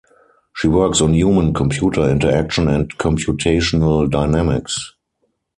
She works on human–computer interaction and computational dynamics.